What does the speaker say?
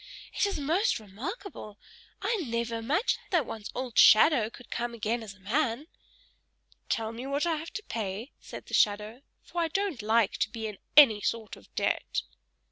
"It is most remarkable: I never imagined that one's old shadow could come again as a man." "Tell me what I have to pay," said the shadow; "for I don't like to be in any sort of debt."